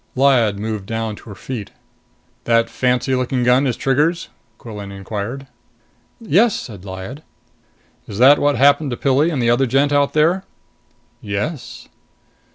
Lyad moved down to her feet. "The fancy looking gun is Trigger's?" Quillan inquired. "Yes," said Lyad. "Is that what happened to Pilli and the other gent out there?" "Yes."